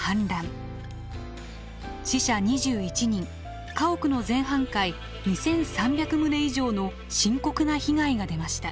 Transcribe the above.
死者２１人家屋の全半壊２，３００棟以上の深刻な被害が出ました。